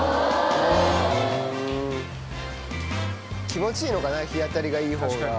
気持ちいいのかな日当たりがいいほうが。